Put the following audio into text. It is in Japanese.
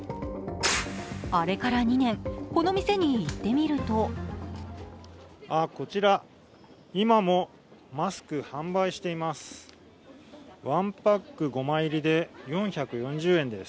あれから２年この店に行ってみるとこちら、今もマスク販売しています。